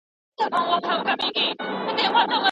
انسان بايد خپل عزت په صبر وساتي.